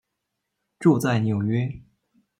住在纽约。